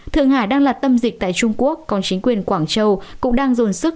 thượng hải đang là tâm dịch tại trung quốc còn chính quyền quảng châu cũng đang dồn sức